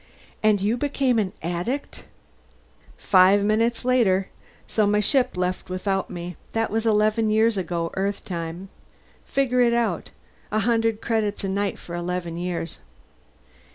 "And you became an addict?" "Five minutes later. So my ship left without me. That was eleven years ago, Earthtime. Figure it out a hundred credits a night for eleven years."